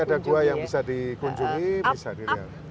ada gua yang bisa dikunjungi bisa dilihat